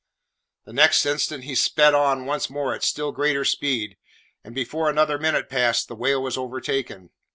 The next instant he sped on once more at still greater speed, and before another minute passed the whale was overtaken.